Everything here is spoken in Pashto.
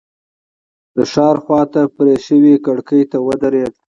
د ښار خواته پرې شوې کړکۍ ته ودرېد.